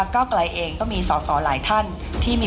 ยังยังมีประเด็นนี่